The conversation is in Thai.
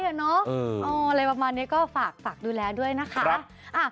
อะไรประมาณนี้ก็ฝากดูแลด้วยนะคะ